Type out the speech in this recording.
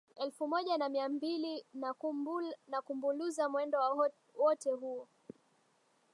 Elfu moja na mia mbilina kumbuluza mwendo wote huo